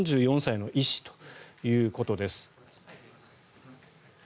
４４歳の医師ということです。